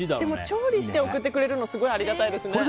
調理して送ってくれるのすごいありがたいですね。